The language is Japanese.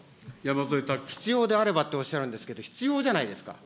必要であればとおっしゃるんですけど、必要じゃないですか。